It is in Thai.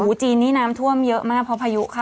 กรมป้องกันแล้วก็บรรเทาสาธารณภัยนะคะ